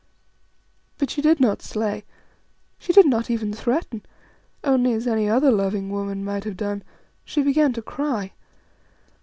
But she did not slay; she did not even threaten, only, as any other loving woman might have done, she began to cry.